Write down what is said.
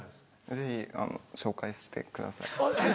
ぜひ紹介してください。